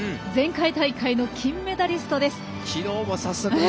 前回大会の金メダリストです。